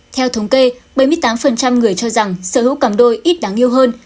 theo thống kê bảy mươi tám người cho rằng sở hữu cầm đôi ít đáng yêu hơn